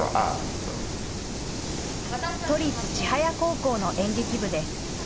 都立千早高校の演劇部です。